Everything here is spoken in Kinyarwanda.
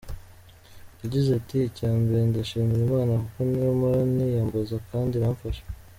Yagize ati “Icya mbere ndashimira Imana kuko niyo mpora niyambaza kandi iramfasha.